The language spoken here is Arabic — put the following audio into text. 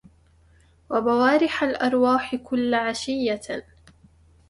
وبوارح الأرواح كل عشية